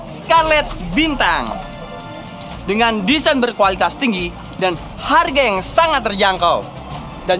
skylet bintang dengan desain berkualitas tinggi dan harga yang sangat terjangkau dan